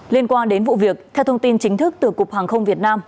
liên quan đến vụ việc theo thông tin chính thức từ cục hàng không việt nam